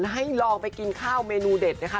ให้ลองไปกินข้าวเมนูเด็ดนะคะ